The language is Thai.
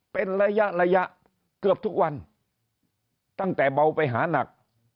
เป็นระยะระยะเกือบทุกวันตั้งแต่เบาไปหานัก